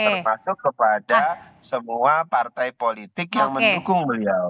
termasuk kepada semua partai politik yang mendukung beliau